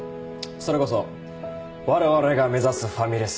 それこそ我々が目指すファミレス